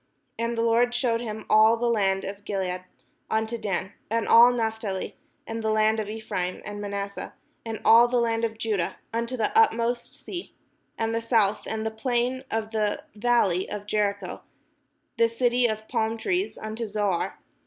And the Lord shewed him all the land of Gilead, unto Dan. And all Naphtali, and the land of Ephraim, and Manasseh, and all the land of Judah, unto the utmost sea, and the south, and the plain of the val ley of Jericho, the city of palm trees, unto Zoar.